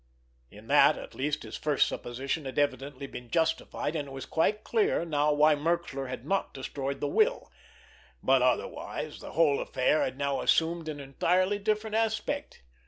In that at least his first supposition had evidently been justified, and it was quite clear now why Merxler had not destroyed the will—but otherwise the whole affair had now assumed an entirely different aspect.